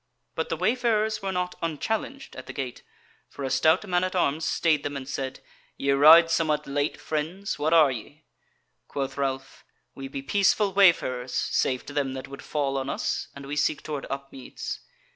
But the wayfarers were not unchallenged at the gate, for a stout man at arms stayed them and said: "Ye ride somewhat late, friends. What are ye?" Quoth Ralph: "We be peaceful wayfarers save to them that would fall on us, and we seek toward Upmeads."